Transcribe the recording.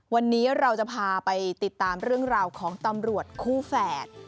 วันนี้เราจะพาไปติดตามเรื่องราวของตำรวจคู่แฝด